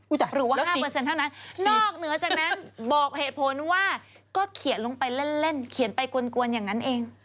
อุ๊ยจ่ะหรือว่าห้าเปอร์เซ็นต์เท่านั้นนอกเหนือจากนั้นบอกเหตุผลว่าก็เขียนลงไปเล่นเล่นเขียนไปกวนกวนอย่างนั้นเอง